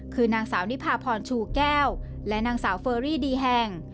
คือนางสาวนิพาพรชูแก้วและนางสาวเฟอรี่ดีแฮง